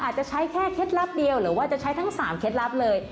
อาจจะใช้แค่เคล็ดลับเดียวหรือว่าจะใช้ทั้ง๓เคล็ดลับเลย